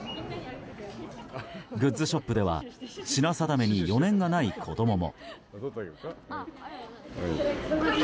グッズショップでは品定めに余念がない子供も。